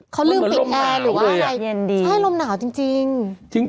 เขาลืมปิดแอร์หรือว่าอะไรใช่ลมหนาวจริงอ่ะเย็นดี